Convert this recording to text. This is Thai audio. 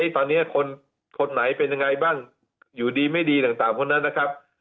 ตอนนี้คนไหนเป็นยังไงบ้างอยู่ดีไม่ดีต่างคนนั้นนะครับ